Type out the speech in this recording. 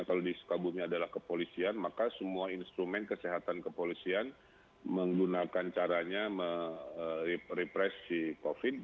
kalau di soekabumi adalah kepolisian maka semua instrumen kesehatan kepolisian menggunakan caranya me repress si covid